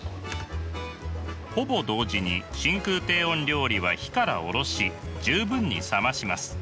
ほぼ同時に真空低温料理は火から下ろし十分に冷まします。